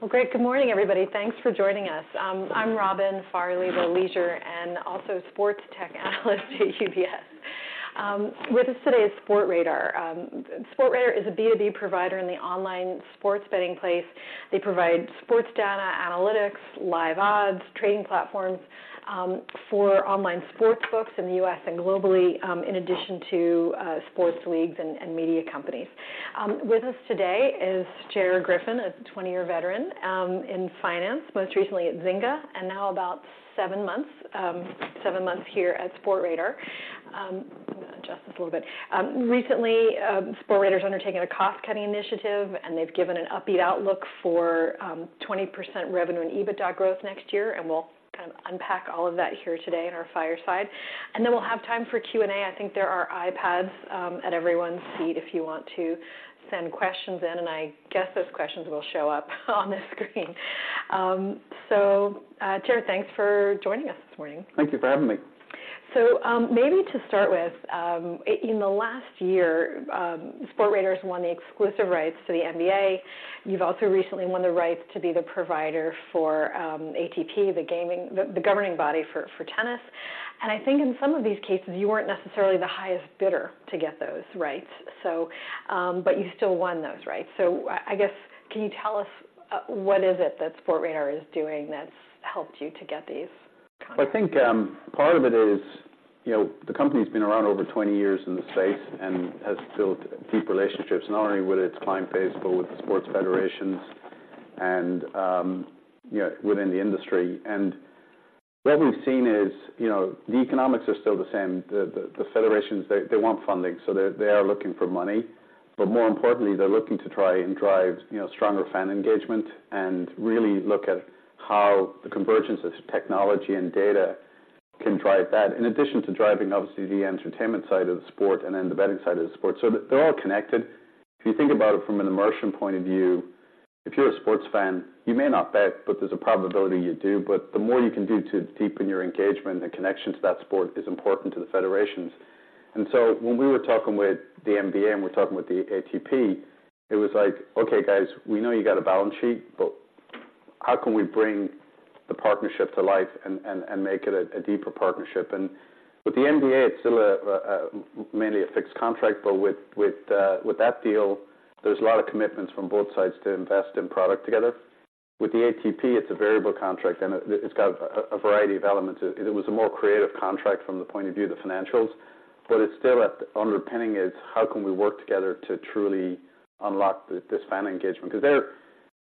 Well, great. Good morning, everybody. Thanks for joining us. I'm Robin Farley, the leisure and also sports tech analyst at UBS. With us today is Sportradar. Sportradar is a B2B provider in the online sports betting space. They provide sports data, analytics, live odds, trading platforms, for online sportsbooks in the U.S. and globally, in addition to, sports leagues and media companies. With us today is Gerard Griffin, a 20-year veteran, in finance, most recently at Zynga, and now about seven months here at Sportradar. I'm gonna adjust this a little bit. Recently, Sportradar has undertaken a cost-cutting initiative, and they've given an upbeat outlook for, 20% revenue and EBITDA growth next year, and we'll kind of unpack all of that here today in our fireside. Then we'll have time for Q&A. I think there are iPads at everyone's seat if you want to send questions in, and I guess those questions will show up on the screen. Gerard, thanks for joining us this morning. Thank you for having me. So, maybe to start with, in the last year, Sportradar has won the exclusive rights to the NBA. You've also recently won the rights to be the provider for ATP, the governing body for tennis, and I think in some of these cases, you weren't necessarily the highest bidder to get those rights, so, but you still won those rights. So I guess, can you tell us what is it that Sportradar is doing that's helped you to get these? I think, part of it is, you know, the company's been around over 20 years in the space and has built deep relationships, not only with its client base, but with the sports federations and, you know, within the industry. And what we've seen is, you know, the economics are still the same. The federations, they want funding, so they are looking for money. But more importantly, they're looking to try and drive, you know, stronger fan engagement and really look at how the convergence of technology and data can drive that, in addition to driving, obviously, the entertainment side of the sport and then the betting side of the sport. So they're all connected. If you think about it from an immersion point of view, if you're a sports fan, you may not bet, but there's a probability you do. But the more you can do to deepen your engagement, the connection to that sport is important to the federations. And so when we were talking with the NBA and we're talking with the ATP, it was like: Okay, guys, we know you got a balance sheet, but how can we bring the partnership to life and make it a deeper partnership? And with the NBA, it's still mainly a fixed contract, but with that deal, there's a lot of commitments from both sides to invest in product together. With the ATP, it's a variable contract, and it's got a variety of elements. It was a more creative contract from the point of view of the financials, but it's still at underpinning is: How can we work together to truly unlock this fan engagement? Because they're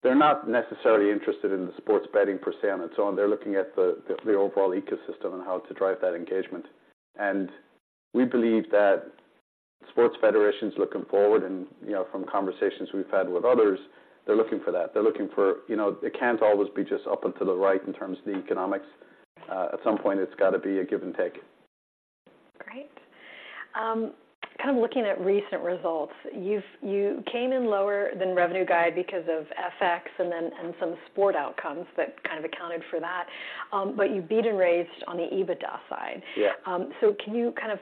not necessarily interested in the sports betting per se and so on. They're looking at the overall ecosystem and how to drive that engagement. And we believe that sports federations looking forward and, you know, from conversations we've had with others, they're looking for that. They're looking for, you know, it can't always be just up and to the right in terms of the economics. At some point, it's got to be a give and take. Great. Kind of looking at recent results, you came in lower than revenue guide because of FX and some sport outcomes that kind of accounted for that, but you beat and raised on the EBITDA side. Yeah. So, can you kind of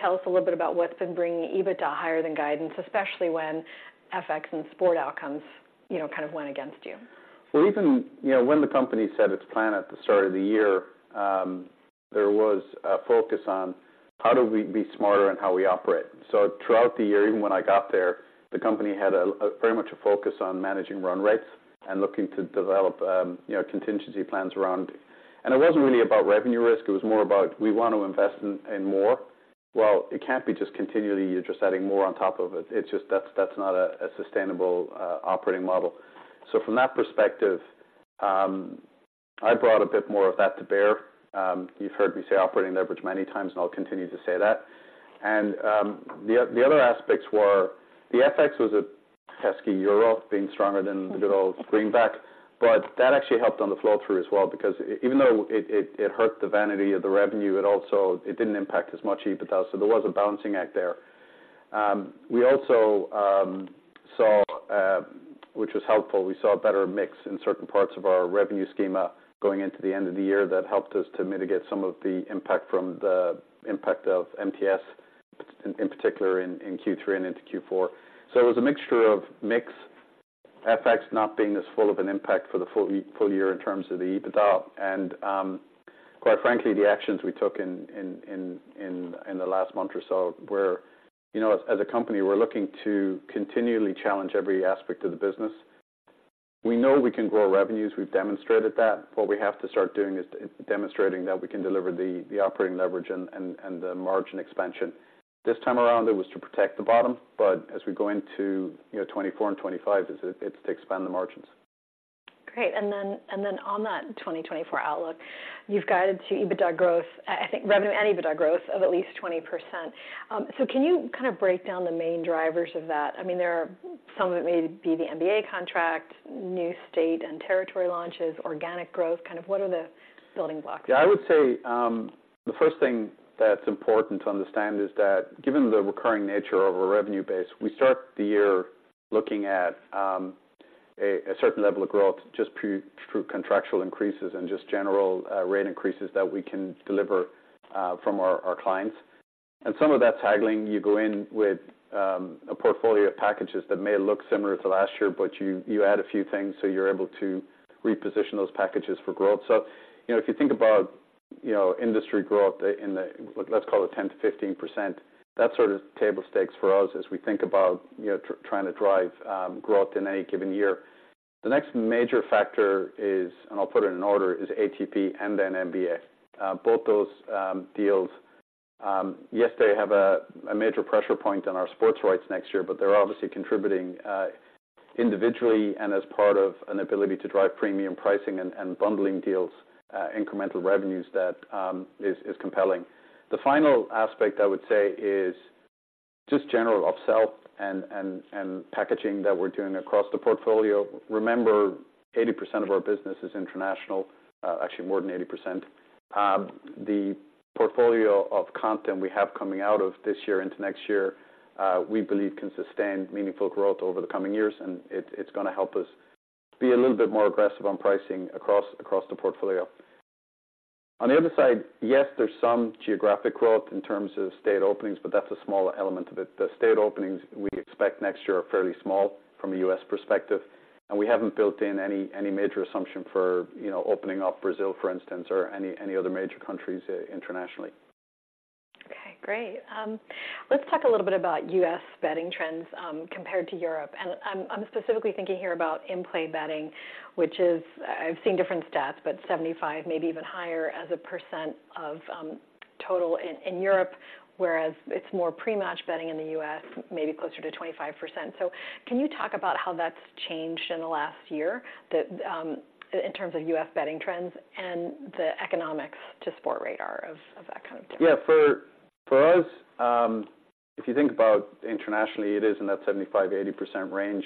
tell us a little bit about what's been bringing EBITDA higher than guidance, especially when FX and sport outcomes, you know, kind of went against you? Well, even you know, when the company set its plan at the start of the year, there was a focus on how do we be smarter in how we operate. So throughout the year, even when I got there, the company had very much a focus on managing run rates and looking to develop you know, contingency plans around. It wasn't really about revenue risk, it was more about we want to invest in more. Well, it can't be just continually, you're just adding more on top of it. It's just that's not a sustainable operating model. So from that perspective, I brought a bit more of that to bear. You've heard me say operating leverage many times, and I'll continue to say that. The other aspects were the FX was a pesky euro, being stronger than the good old greenback, but that actually helped on the flow-through as well, because even though it hurt the vanity of the revenue, it also didn't impact as much EBITDA, so there was a balancing act there. We also saw, which was helpful, a better mix in certain parts of our revenue schema going into the end of the year. That helped us to mitigate some of the impact from the impact of MTS, in particular in Q3 and into Q4. So it was a mixture of mix, FX not being as full of an impact for the full year in terms of the EBITDA, and quite frankly, the actions we took in the last month or so, where, you know, as a company, we're looking to continually challenge every aspect of the business. We know we can grow revenues. We've demonstrated that. What we have to start doing is demonstrating that we can deliver the operating leverage and the margin expansion. This time around, it was to protect the bottom, but as we go into, you know, 2024 and 2025, it's to expand the margins. Great. And then on that 2024 outlook, you've guided to EBITDA growth, I think revenue and EBITDA growth of at least 20%. So can you kind of break down the main drivers of that? I mean, there are some of it may be the NBA contract, new state and territory launches, organic growth, kind of what are the building blocks? Yeah, I would say, the first thing that's important to understand is that given the recurring nature of a revenue base, we start the year looking at, a certain level of growth, just through contractual increases and just general, rate increases that we can deliver, from our clients. And some of that tackling, you go in with, a portfolio of packages that may look similar to last year, but you add a few things, so you're able to reposition those packages for growth. So, you know, if you think about, you know, industry growth in the, let's call it 10%-15%, that's sort of table stakes for us as we think about, you know, trying to drive, growth in any given year. The next major factor is, and I'll put it in order, is ATP and then NBA. Both those deals, yes, they have a major pressure point on our sports rights next year, but they're obviously contributing, individually and as part of an ability to drive premium pricing and bundling deals, incremental revenues that is compelling. The final aspect, I would say, is just general upsell and packaging that we're doing across the portfolio. Remember, 80% of our business is international, actually more than 80%. The portfolio of content we have coming out of this year into next year, we believe can sustain meaningful growth over the coming years, and it's gonna help us be a little bit more aggressive on pricing across the portfolio. On the other side, yes, there's some geographic growth in terms of state openings, but that's a smaller element of it. The state openings we expect next year are fairly small from a U.S. perspective, and we haven't built in any major assumption for, you know, opening up Brazil, for instance, or any other major countries internationally. Okay, great. Let's talk a little bit about U.S. betting trends, compared to Europe. I'm specifically thinking here about in-play betting, which is, I've seen different stats, but 75, maybe even higher, as a percent of total in Europe, whereas it's more pre-match betting in the U.S., maybe closer to 25%. So can you talk about how that's changed in the last year in terms of U.S. betting trends and the economics to Sportradar of that kind of difference. Yeah. For, for us, if you think about internationally, it is in that 75%-80% range.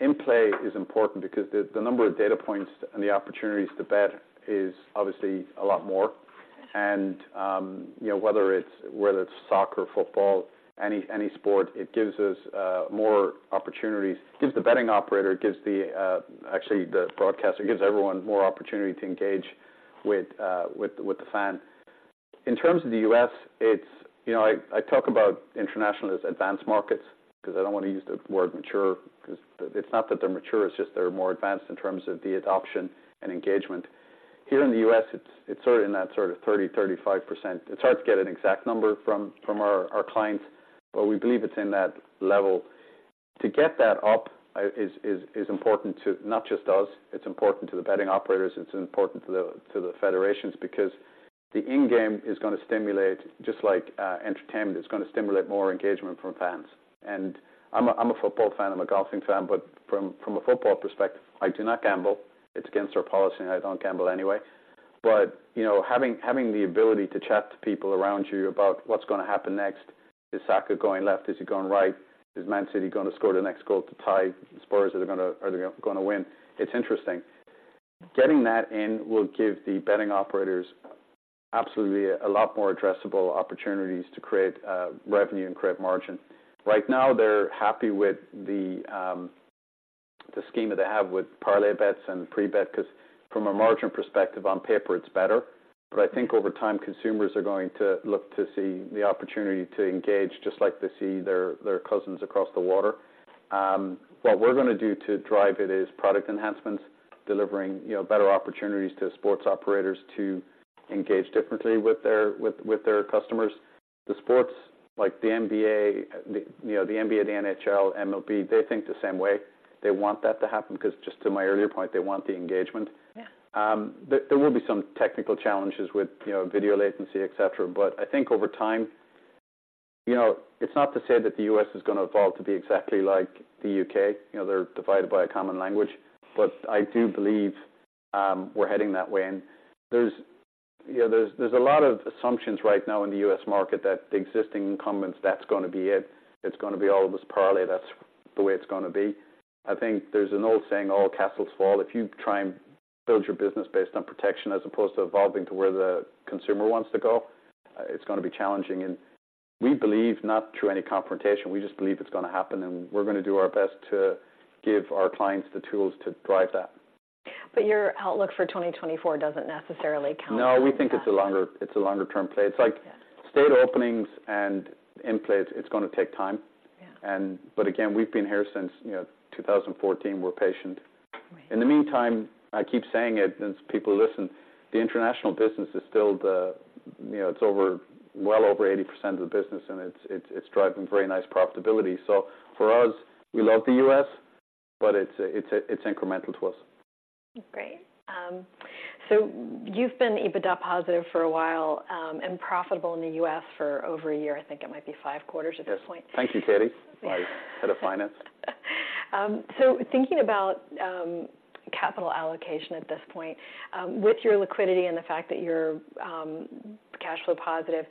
In-play is important because the number of data points and the opportunities to bet is obviously a lot more. And, you know, whether it's soccer, football, any sport, it gives us more opportunities. It gives the betting operator, it gives the actually the broadcaster, it gives everyone more opportunity to engage with the fan. In terms of the U.S., it's... You know, I talk about international as advanced markets because I don't want to use the word mature, 'cause it's not that they're mature, it's just they're more advanced in terms of the adoption and engagement. Here in the U.S., it's sort of in that sort of 30%-35%. It's hard to get an exact number from our clients, but we believe it's in that level. To get that up is important to not just us, it's important to the betting operators, it's important to the federations, because the in-game is gonna stimulate, just like entertainment, it's gonna stimulate more engagement from fans. And I'm a football fan, I'm a golfing fan, but from a football perspective, I do not gamble. It's against our policy, and I don't gamble anyway. But you know, having the ability to chat to people around you about what's gonna happen next, is Saka going left, is he going right? Is Man City gonna score the next goal to tie? The Spurs, are they gonna win? It's interesting. Getting that in will give the betting operators absolutely a lot more addressable opportunities to create revenue and create margin. Right now, they're happy with the scheme that they have with parlay bets and pre-bet, 'cause from a margin perspective, on paper, it's better. But I think over time, consumers are going to look to see the opportunity to engage, just like they see their cousins across the water. What we're gonna do to drive it is product enhancements, delivering, you know, better opportunities to sports operators to engage differently with their customers. The sports, like the NBA, you know, the NBA, the NHL, MLB, they think the same way. They want that to happen, 'cause just to my earlier point, they want the engagement. Yeah. There will be some technical challenges with, you know, video latency, et cetera. But I think over time... You know, it's not to say that the U.S. is gonna evolve to be exactly like the U.K., you know, they're divided by a common language, but I do believe, we're heading that way. And there's, you know, a lot of assumptions right now in the U.S. market that the existing incumbents, that's gonna be it. It's gonna be all of this parlay. That's the way it's gonna be. I think there's an old saying, "All castles fall." If you try and build your business based on protection as opposed to evolving to where the consumer wants to go, it's gonna be challenging. We believe, not through any confrontation, we just believe it's gonna happen, and we're gonna do our best to give our clients the tools to drive that. But your outlook for 2024 doesn't necessarily count on that. No, we think it's a longer-term play. Yeah. It's like state openings and in-play, it's gonna take time. Yeah. But again, we've been here since, you know, 2014. We're patient. Right. In the meantime, I keep saying it, and people listen, the international business is still the, you know, it's over, well over 80% of the business, and it's driving very nice profitability. So for us, we love the U.S., but it's incremental to us. Great. So you've been EBITDA positive for a while, and profitable in the U.S. for over a year. I think it might be five quarters at this point. Thank you, Katie, my Head of Finance. So thinking about capital allocation at this point, with your liquidity and the fact that you're cash flow positive,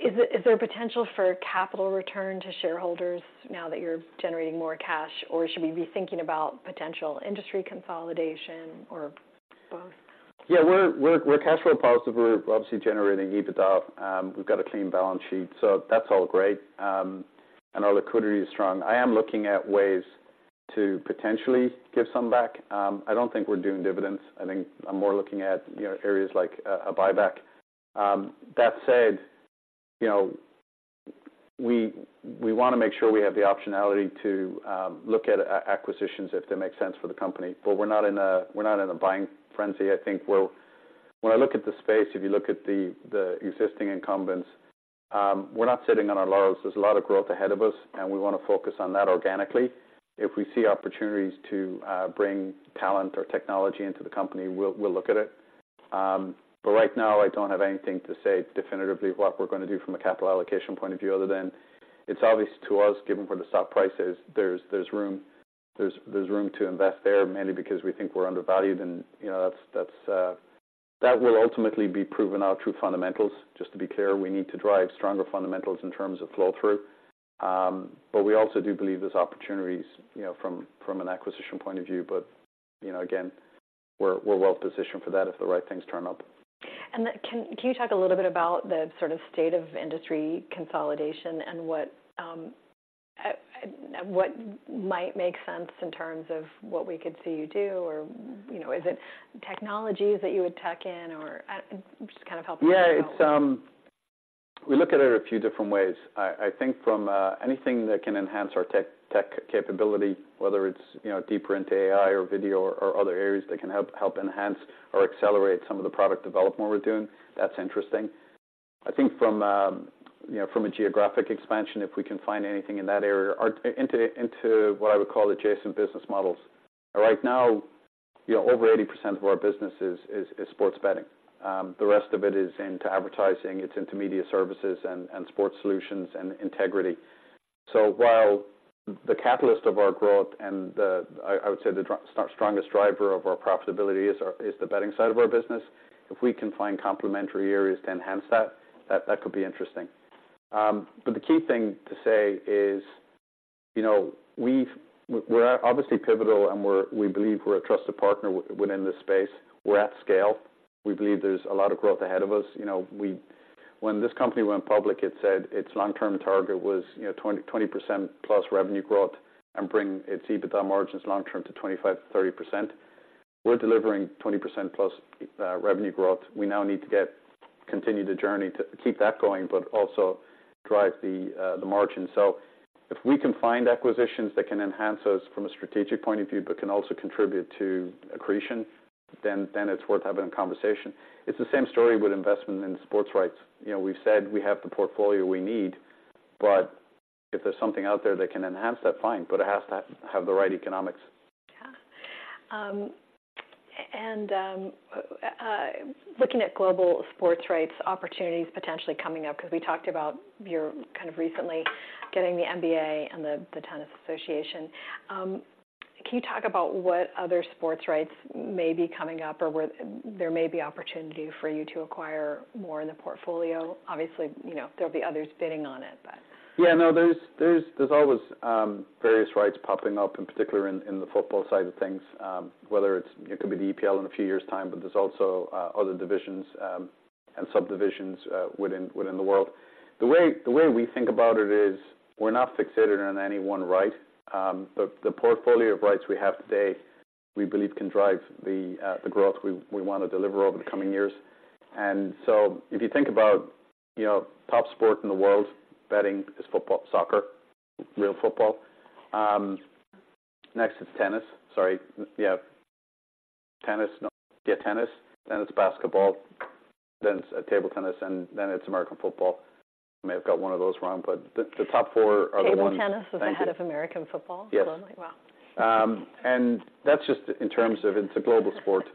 is there a potential for capital return to shareholders now that you're generating more cash, or should we be thinking about potential industry consolidation or both? Yeah, we're cash flow positive. We're obviously generating EBITDA. We've got a clean balance sheet, so that's all great. And our liquidity is strong. I am looking at ways to potentially give some back. I don't think we're doing dividends. I think I'm more looking at, you know, areas like a buyback. That said, you know, we wanna make sure we have the optionality to look at acquisitions if they make sense for the company. But we're not in a buying frenzy. I think we'll. When I look at the space, if you look at the existing incumbents, we're not sitting on our laurels. There's a lot of growth ahead of us, and we wanna focus on that organically. If we see opportunities to bring talent or technology into the company, we'll look at it. But right now, I don't have anything to say definitively what we're gonna do from a capital allocation point of view, other than it's obvious to us, given where the stock price is, there's room to invest there, mainly because we think we're undervalued. And, you know, that's that will ultimately be proven our true fundamentals. Just to be clear, we need to drive stronger fundamentals in terms of flow-through. But we also do believe there's opportunities, you know, from an acquisition point of view. But, you know, again, we're well positioned for that if the right things turn up. And then can you talk a little bit about the sort of state of industry consolidation and what might make sense in terms of what we could see you do, or, you know, is it technologies that you would tuck in? Or just kind of help us out. Yeah. It's we look at it a few different ways. I think from anything that can enhance our tech capability, whether it's, you know, deep into AI or video or other areas that can help enhance or accelerate some of the product development we're doing, that's interesting. I think from, you know, from a geographic expansion, if we can find anything in that area or into what I would call adjacent business models. Right now, you know, over 80% of our business is sports betting. The rest of it is into advertising, it's into media services and sports solutions and integrity. So while the catalyst of our growth and the strongest driver of our profitability is the betting side of our business, if we can find complementary areas to enhance that, that could be interesting. But the key thing to say is, you know, we're obviously pivotal, and we believe we're a trusted partner within this space. We're at scale. We believe there's a lot of growth ahead of us. You know, when this company went public, it said its long-term target was 20-20% plus revenue growth and bring its EBITDA margins long term to 25-30%. We're delivering 20% plus revenue growth. We now need to continue the journey to keep that going, but also drive the margin. So if we can find acquisitions that can enhance us from a strategic point of view, but can also contribute to accretion, then, then it's worth having a conversation. It's the same story with investment in sports rights. You know, we've said we have the portfolio we need, but if there's something out there that can enhance that, fine, but it has to have the right economics. Yeah. Looking at global sports rights opportunities potentially coming up, because we talked about you're kind of recently getting the NBA and the ATP. Can you talk about what other sports rights may be coming up, or where there may be opportunity for you to acquire more in the portfolio? Obviously, you know, there'll be others bidding on it, but. Yeah, no, there's always various rights popping up, in particular in the football side of things, whether it's, it could be the EPL in a few years' time, but there's also other divisions and subdivisions within the world. The way we think about it is, we're not fixated on any one right. The portfolio of rights we have today, we believe, can drive the growth we wanna deliver over the coming years. And so if you think about, you know, top sport in the world, betting is football, soccer, real football. Next, it's tennis. Sorry. Yeah, tennis. No, yeah, tennis, then it's basketball, then it's table tennis, and then it's American football. I may have got one of those wrong, but the top four are the ones- Table tennis- Thank you. is ahead of American football? Yes. Wow! That's just in terms of it's a global sport.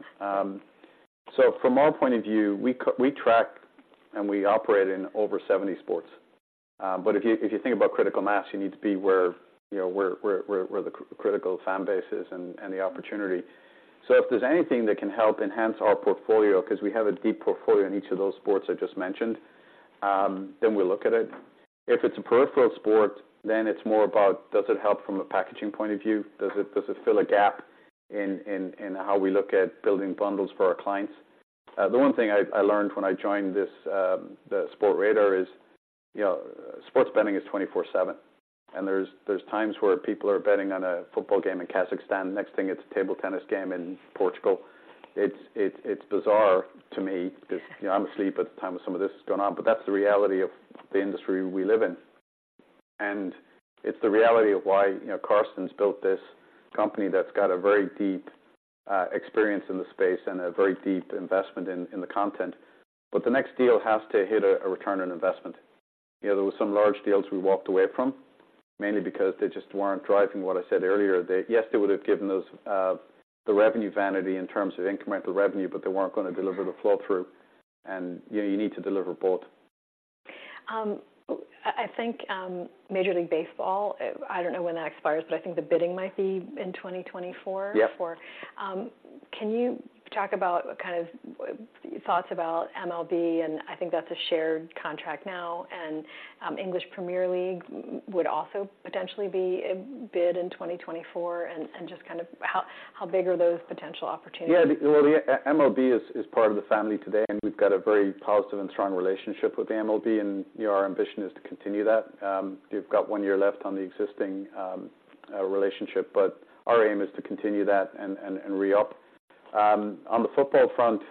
So from our point of view, we track and we operate in over 70 sports. But if you think about critical mass, you need to be where, you know, the critical fan base is and the opportunity. So if there's anything that can help enhance our portfolio, because we have a deep portfolio in each of those sports I just mentioned, then we look at it. If it's a peripheral sport, then it's more about does it help from a packaging point of view? Does it fill a gap in how we look at building bundles for our clients? The one thing I learned when I joined this, the Sportradar is, you know, sports betting is 24/7, and there's times where people are betting on a football game in Kazakhstan. Next thing, it's a table tennis game in Portugal. It's bizarre to me because, you know, I'm asleep at the time some of this is going on, but that's the reality of the industry we live in. And it's the reality of why, you know, Carsten's built this company that's got a very deep experience in the space and a very deep investment in the content. But the next deal has to hit a return on investment. You know, there were some large deals we walked away from, mainly because they just weren't driving what I said earlier. Yes, they would have given us the revenue vanity in terms of incremental revenue, but they weren't gonna deliver the flow-through, and, you know, you need to deliver both. I think Major League Baseball. I don't know when that expires, but I think the bidding might be in 2024. Yep. Can you talk about kind of thoughts about MLB? And I think that's a shared contract now, and English Premier League would also potentially be a bid in 2024. And just kind of how big are those potential opportunities? Yeah. Well, the MLB is part of the family today, and we've got a very positive and strong relationship with the MLB, and, you know, our ambition is to continue that. We've got one year left on the existing relationship, but our aim is to continue that and re-up. On the football front.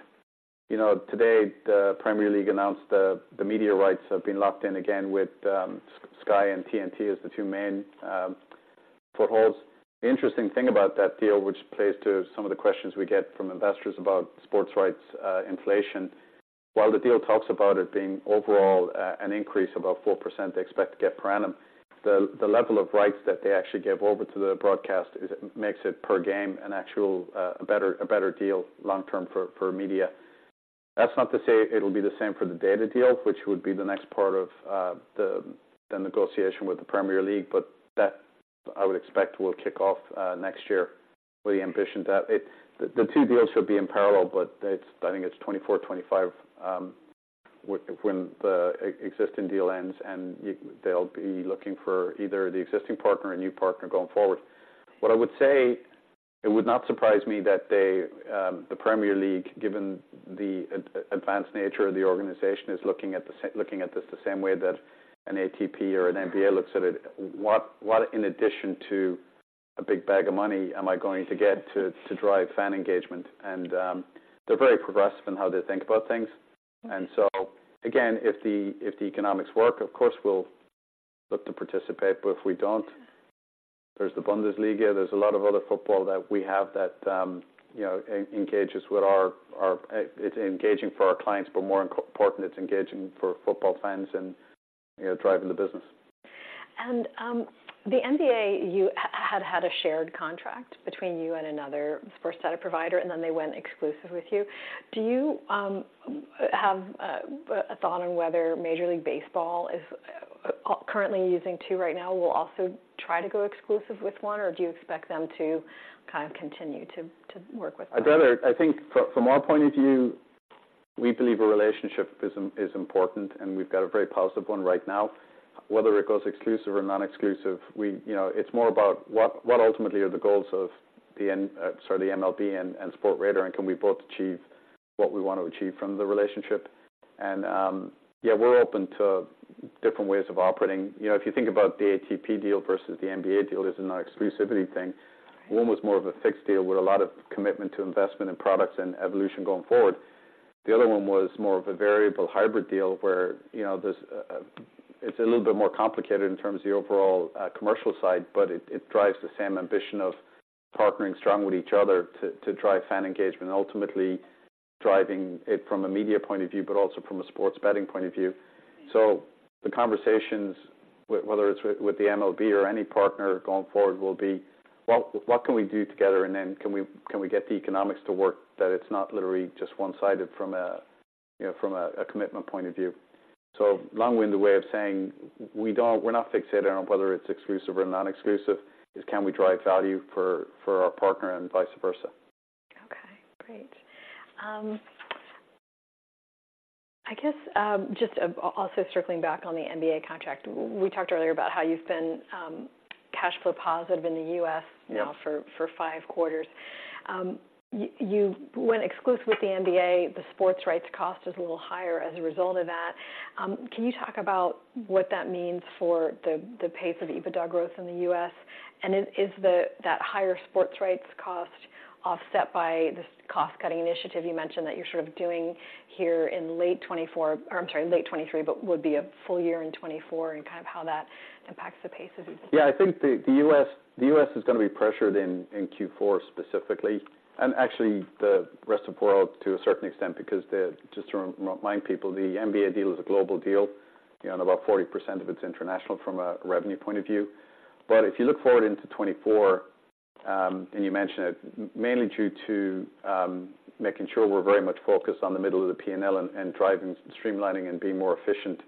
You know, today, the Premier League announced the media rights have been locked in again with Sky and TNT as the two main footholds. The interesting thing about that deal, which plays to some of the questions we get from investors about sports rights inflation. While the deal talks about it being overall, an increase of about 4% they expect to get per annum, the level of rights that they actually give over to the broadcast is, makes it per game an actual, a better deal long term for media. That's not to say it'll be the same for the data deal, which would be the next part of, the negotiation with the Premier League, but that I would expect will kick off, next year. We ambition that it... The two deals will be in parallel, but it's- I think it's 2024, 2025, when the existing deal ends, and they'll be looking for either the existing partner or a new partner going forward. What I would say, it would not surprise me that they, the Premier League, given the advanced nature of the organization, is looking at this the same way that an ATP or an NBA looks at it. What, in addition to a big bag of money, am I going to get to drive fan engagement? And, they're very progressive in how they think about things. And so again, if the economics work, of course, we'll look to participate. But if we don't, there's the Bundesliga, there's a lot of other football that we have that, you know, engages with our, our. It's engaging for our clients, but more important, it's engaging for football fans and, you know, driving the business. The NBA, you had a shared contract between you and another sports data provider, and then they went exclusive with you. Do you have a thought on whether Major League Baseball is currently using two right now, will also try to go exclusive with one, or do you expect them to kind of continue to work with one? I'd rather. I think from our point of view, we believe a relationship is important, and we've got a very positive one right now. Whether it goes exclusive or non-exclusive, you know, it's more about what ultimately are the goals of the MLB and Sportradar, and can we both achieve what we want to achieve from the relationship? Yeah, we're open to different ways of operating. You know, if you think about the ATP deal versus the NBA deal, there's an exclusivity thing. One was more of a fixed deal with a lot of commitment to investment in products and evolution going forward. The other one was more of a variable hybrid deal where, you know, there's a... It's a little bit more complicated in terms of the overall, commercial side, but it, it drives the same ambition of partnering strong with each other to, to drive fan engagement, ultimately driving it from a media point of view, but also from a sports betting point of view. So the conversations, whether it's with, with the MLB or any partner going forward, will be: Well, what can we do together? And then can we, can we get the economics to work, that it's not literally just one-sided from a, you know, from a, a commitment point of view? So long-winded way of saying, we don't, we're not fixated on whether it's exclusive or non-exclusive. It's can we drive value for, for our partner and vice versa. Okay, great. I guess, just, also circling back on the NBA contract. We talked earlier about how you've been cash flow positive in the US- Yeah... now for five quarters. You went exclusive with the NBA. The sports rights cost is a little higher as a result of that. Can you talk about what that means for the pace of EBITDA growth in the U.S.? And is that higher sports rights cost offset by this cost-cutting initiative you mentioned that you're sort of doing here in late 2024, or I'm sorry, late 2023, but would be a full year in 2024, and kind of how that impacts the pace of EBITDA? Yeah, I think the US is gonna be pressured in Q4 specifically, and actually the rest of world to a certain extent, because the NBA deal is a global deal. Just to remind people, the NBA deal is a global deal. You know, about 40% of it is international from a revenue point of view. But if you look forward into 2024, and you mentioned it, mainly due to making sure we're very much focused on the middle of the P&L and driving, streamlining and being more efficient,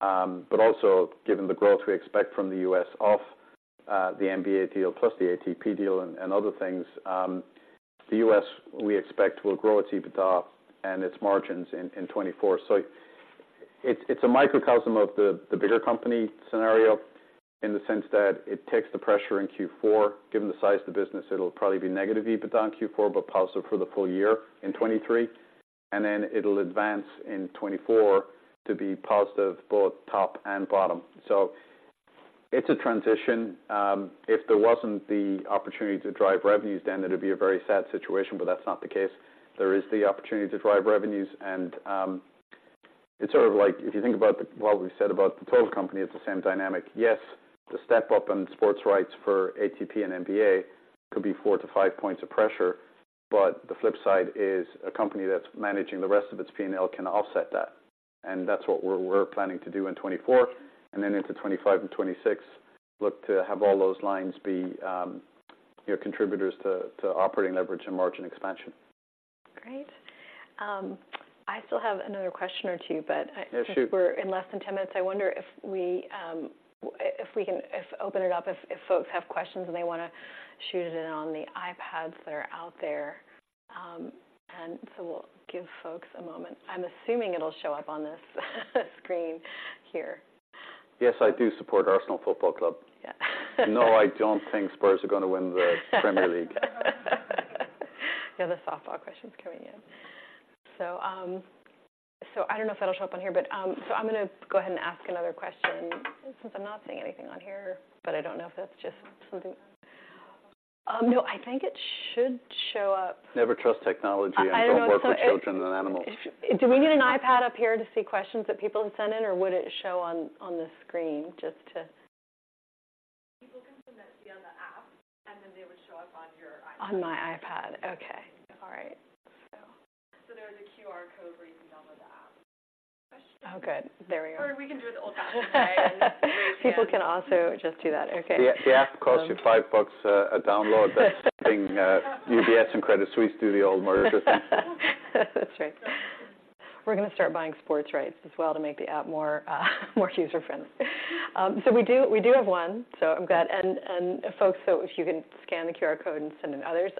but also given the growth we expect from the US off the NBA deal, plus the ATP deal and other things, the US we expect will grow its EBITDA and its margins in 2024. So it's a microcosm of the bigger company scenario in the sense that it takes the pressure in Q4. Given the size of the business, it'll probably be negative EBITDA in Q4, but positive for the full year in 2023, and then it'll advance in 2024 to be positive both top and bottom. So it's a transition. If there wasn't the opportunity to drive revenues, then it'd be a very sad situation, but that's not the case. There is the opportunity to drive revenues, and it's sort of like if you think about what we said about the total company, it's the same dynamic. Yes, the step up in sports rights for ATP and NBA could be 4-5 points of pressure, but the flip side is a company that's managing the rest of its P&L can offset that, and that's what we're planning to do in 2024, and then into 2025 and 2026, look to have all those lines be, you know, contributors to operating leverage and margin expansion. Great. I still have another question or two, but I- Yeah, shoot. Since we're in less than 10 minutes, I wonder if we can open it up if folks have questions and they wanna shoot it in on the iPads that are out there. So we'll give folks a moment. I'm assuming it'll show up on this screen here. Yes, I do support Arsenal Football Club. Yeah. No, I don't think Spurs are gonna win the Premier League. Yeah, the softball question is coming in. So, I don't know if that'll show up on here, but so I'm gonna go ahead and ask another question, since I'm not seeing anything on here, but I don't know if that's just something. No, I think it should show up. Never trust technology- I don't know if it- Don't vote for children and animals. Do we need an iPad up here to see questions that people have sent in, or would it show on, on the screen? People can submit via the app, and then they would show up on your iPad. On my iPad. Okay. All right. So there's a QR code where you can download the app. Oh, good. There we are. Or we can do it the old-fashioned way. People can also just do that. Okay. The app costs you $5 a download, but UBS and Credit Suisse do the old merger system. That's right. We're gonna start buying sports rights as well to make the app more, more user-friendly. So we do, we do have one, so I'm glad. And, and folks, so if you can scan the QR code and send in others.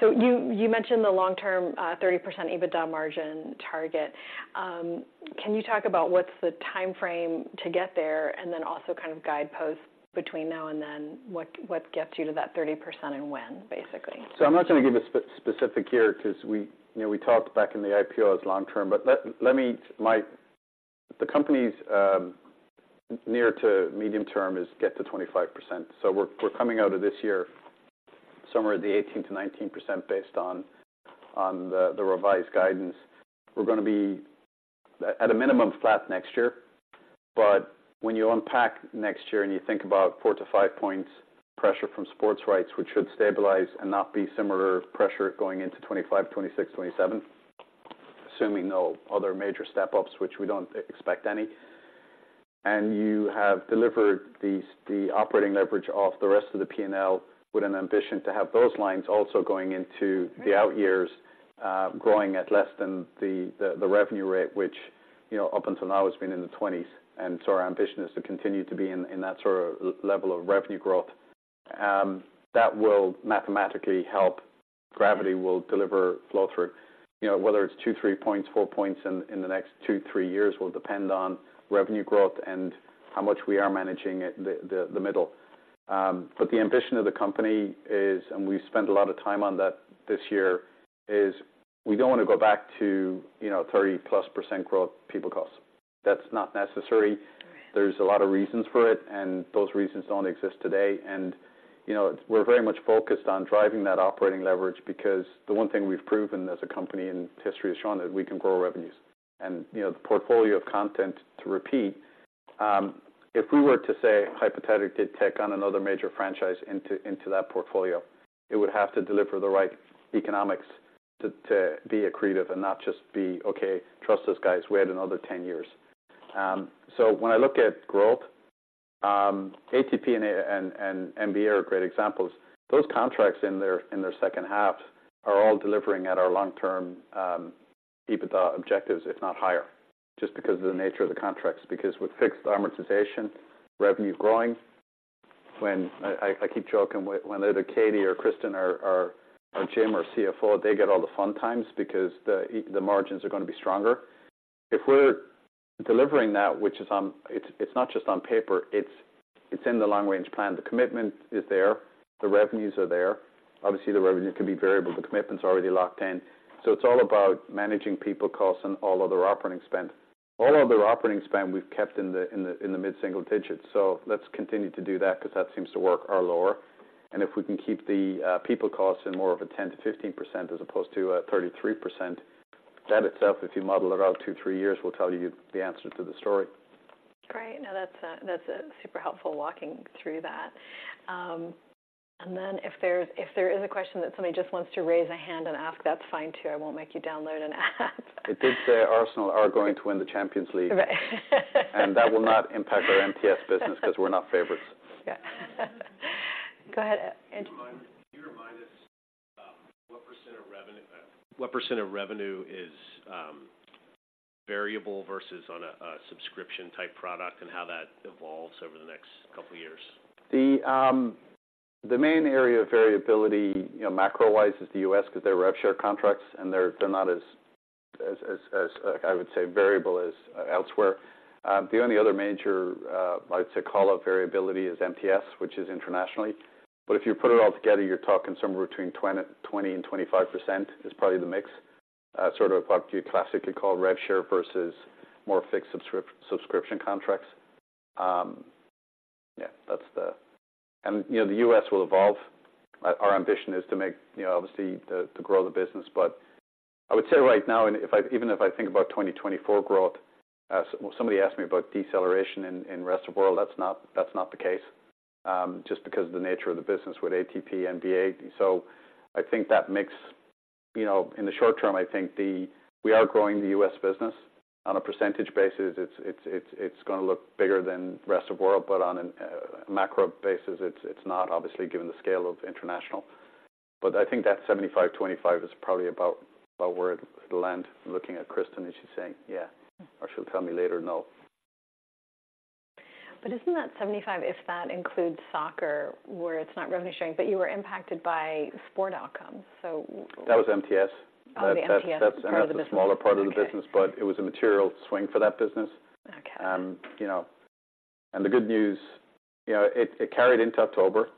So you, you mentioned the long-term, 30% EBITDA margin target. Can you talk about what's the time frame to get there, and then also kind of guideposts between now and then, what, what gets you to that 30% and when, basically? So I'm not going to give a specific here because we, you know, we talked back in the IPO as long term. But let me. The company's near- to medium-term is get to 25%. So we're coming out of this year somewhere at the 18%-19% based on the revised guidance. We're gonna be at a minimum, flat next year. But when you unpack next year and you think about 4-5 points pressure from sports rights, which should stabilize and not be similar pressure going into 2025, 2026, 2027, assuming no other major step-ups, which we don't expect any. And you have delivered the the operating leverage off the rest of the P&L with an ambition to have those lines also going into the out years, growing at less than the revenue rate, which, you know, up until now has been in the 20s. And so our ambition is to continue to be in that sort of level of revenue growth. That will mathematically help. Gravity will deliver flow-through. You know, whether it's 2, 3 points, 4 points in the next 2, 3 years will depend on revenue growth and how much we are managing it, the middle. But the ambition of the company is, and we've spent a lot of time on that this year, is we don't want to go back to, you know, 30+% growth people costs. That's not necessary. There's a lot of reasons for it, and those reasons don't exist today. And, you know, we're very much focused on driving that operating leverage because the one thing we've proven as a company, and history has shown, that we can grow revenues. And, you know, the portfolio of content to repeat, if we were to say, hypothetically, take on another major franchise into that portfolio, it would have to deliver the right economics to be accretive and not just be, "Okay, trust us, guys, we had another ten years." So when I look at growth, ATP and NBA are great examples. Those contracts in their second half are all delivering at our long-term EBITDA objectives, if not higher, just because of the nature of the contracts, because with fixed amortization, revenue growing. When I keep joking, when either Katie or Kristen or Jim, our CFO, they get all the fun times because the margins are gonna be stronger. If we're delivering that, which is on... It's not just on paper, it's in the long-range plan. The commitment is there, the revenues are there. Obviously, the revenue can be variable, the commitment's already locked in. So it's all about managing people costs and all other operating spend. All other operating spend we've kept in the mid-single digits. So let's continue to do that because that seems to work or lower. And if we can keep the people costs in more of a 10%-15% as opposed to 33%, that itself, if you model it out 2-3 years, will tell you the answer to the story. Great. Now, that's a super helpful walking through that. And then if there is a question that somebody just wants to raise a hand and ask, that's fine, too. I won't make you download an app. It did say Arsenal are going to win the Champions League. Right. That will not impact our MTS business because we're not favorites. Yeah. Go ahead, Andrew. Can you remind us what % of revenue is variable versus on a subscription-type product and how that evolves over the next couple of years? The main area of variability, you know, macro-wise, is the U.S., because they're rev share contracts, and they're not as variable as elsewhere. The only other major, I'd say, call-out variability is MTS, which is internationally. But if you put it all together, you're talking somewhere between 20 and 25% is probably the mix. Sort of what you classically call rev share versus more fixed subscription contracts. Yeah, that's the... And, you know, the U.S. will evolve. Our ambition is to make, you know, obviously, to grow the business. But I would say right now, and if I even if I think about 2024 growth, somebody asked me about deceleration in rest of world, that's not the case, just because of the nature of the business with ATP and NBA. So I think that makes... You know, in the short term, I think we are growing the U.S. business. On a percentage basis, it's gonna look bigger than rest of world, but on an macro basis, it's not obviously, given the scale of international. But I think that 75-25 is probably about where it'll land, looking at Kristen, and she's saying, "Yeah," or she'll tell me later, "No. But isn't that 75, if that includes soccer, where it's not revenue sharing, but you were impacted by sport outcomes, so- That was MTS. Oh, the MTS part of the business. That's a smaller part of the business- Okay. but it was a material swing for that business. Okay. You know, and the good news, you know, it, it carried into October.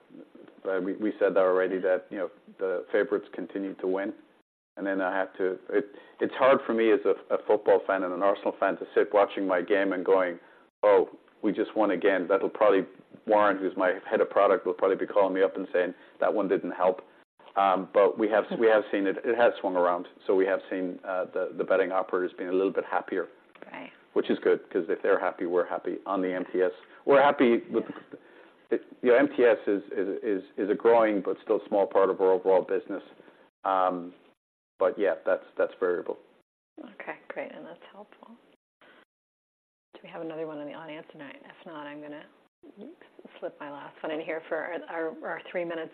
We, we said that already that, you know, the favorites continued to win. And then I have to—it, it's hard for me as a, a football fan and an Arsenal fan, to sit watching my game and going: Oh, we just won again. That'll probably—Warren, who's my head of product, will probably be calling me up and saying, "That one didn't help." But we have, we have seen it. It has swung around, so we have seen the, the betting operators being a little bit happier. Right. Which is good, because if they're happy, we're happy on the MTS. We're happy with- Yes. The MTS is a growing, but still small part of our overall business. But yeah, that's variable. Okay, great, and that's helpful. Do we have another one in the audience tonight? If not, I'm gonna slip my last one in here for our, our, 3 minutes.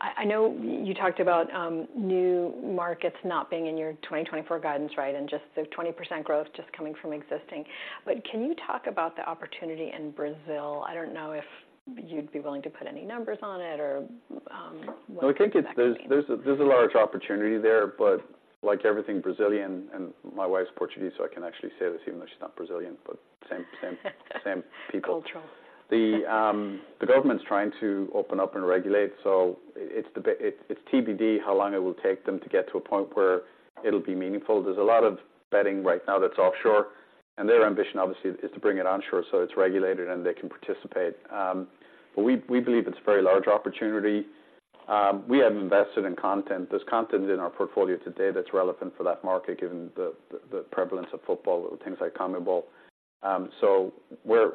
I know you talked about new markets not being in your 2024 guidance, right, and just the 20% growth just coming from existing. But can you talk about the opportunity in Brazil? I don't know if you'd be willing to put any numbers on it, or what- No, I think it's... There's a large opportunity there, but like everything Brazilian, and my wife's Portuguese, so I can actually say this even though she's not Brazilian, but same, same, same people. Cultural. The government's trying to open up and regulate, so it's TBD how long it will take them to get to a point where it'll be meaningful. There's a lot of betting right now that's offshore, and their ambition, obviously, is to bring it onshore, so it's regulated and they can participate. But we believe it's a very large opportunity. We have invested in content. There's content in our portfolio today that's relevant for that market, given the prevalence of football, things like CONMEBOL. So we're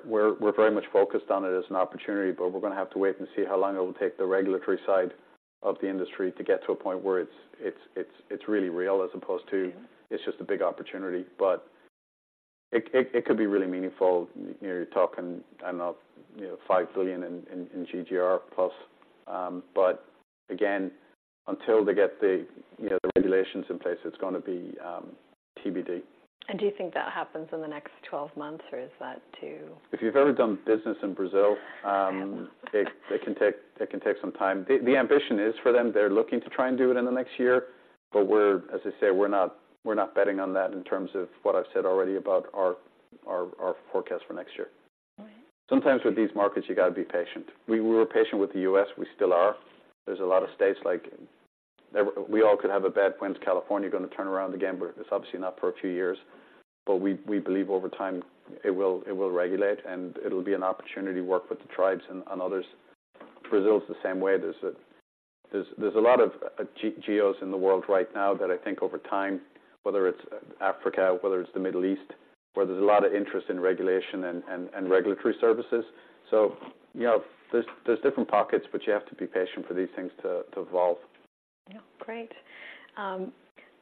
very much focused on it as an opportunity, but we're gonna have to wait and see how long it will take the regulatory side of the industry to get to a point where it's really real, as opposed to- Mm-hmm... It's just a big opportunity. But it could be really meaningful. You're talking, I don't know, you know, $5 billion in GGR plus. But again, until they get the, you know, the regulations in place, it's gonna be TBD. Do you think that happens in the next 12 months, or is that too- If you've ever done business in Brazil, I haven't. It can take some time. The ambition is for them. They're looking to try and do it in the next year, but we're... As I say, we're not betting on that in terms of what I've said already about our forecast for next year. Okay. Sometimes with these markets, you gotta be patient. We were patient with the US, we still are. There's a lot of states, like, everybody could have a bet when's California gonna turn around the game, but it's obviously not for a few years. But we believe over time it will regulate, and it'll be an opportunity to work with the tribes and others. Brazil's the same way. There's a lot of geos in the world right now that I think over time, whether it's Africa, whether it's the Middle East, where there's a lot of interest in regulation and regulatory services. So, you know, there's different pockets, but you have to be patient for these things to evolve. Yeah. Great.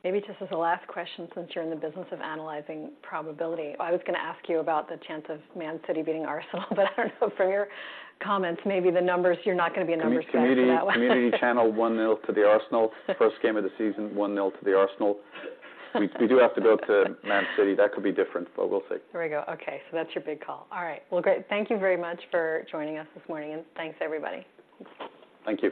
Maybe just as a last question, since you're in the business of analyzing probability, I was gonna ask you about the chance of Man City beating Arsenal, but I don't know. From your comments, maybe the numbers, you're not gonna be a numbers man for that one. Community, community Channel 1-0 to the Arsenal. First game of the season, 1-0 to the Arsenal. We, we do have to go to Man City. That could be different, but we'll see. There we go. Okay, so that's your big call. All right. Well, great. Thank you very much for joining us this morning, and thanks, everybody. Thank you.